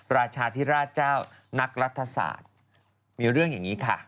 ราชาธิราชเจ้านักรัฐศาสตร์มีเรื่องอย่างนี้ค่ะ